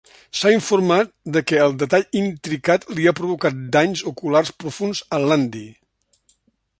S'ha informat de que el detall intricat li ha provocat danys oculars profunds a Landy.